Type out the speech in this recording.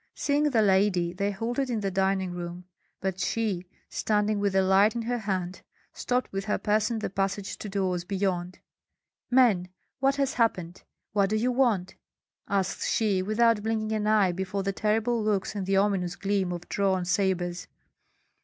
Seeing the lady, they halted in the dining room; but she, standing with a light in her hand, stopped with her person the passage to doors beyond. "Men, what has happened? What do you want?" asked she, without blinking an eye before the terrible looks and the ominous gleam of drawn sabres.